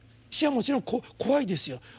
死はもちろん怖いですよ。